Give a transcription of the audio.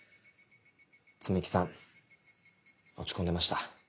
摘木さん落ち込んでました。